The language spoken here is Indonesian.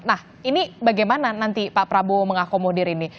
nah ini bagaimana nanti pak prabowo mengakomodir ini